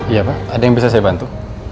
iya pak ada yang bisa saya bantu